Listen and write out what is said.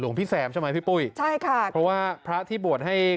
พี่แซมใช่ไหมพี่ปุ้ยใช่ค่ะเพราะว่าพระที่บวชให้